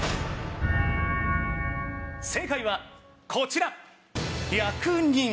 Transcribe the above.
正解はこちら。